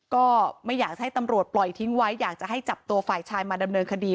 ก็ไม่อยากให้ตำรวจปล่อยทิ้งไว้อยากจะให้จับตัวฝ่ายชายมาดำเนินคดี